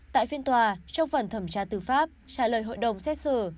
tại phiên tòa trong phần thẩm tra tư pháp trả lời hội đồng xét xử